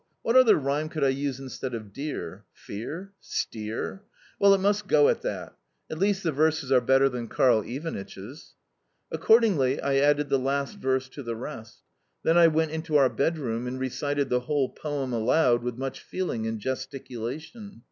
"What other rhyme could I use instead of 'dear'? Fear? Steer? Well, it must go at that. At least the verses are better than Karl Ivanitch's." Accordingly I added the last verse to the rest. Then I went into our bedroom and recited the whole poem aloud with much feeling and gesticulation.